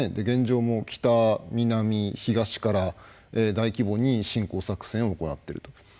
現状も北南東から大規模に侵攻作戦を行っていると。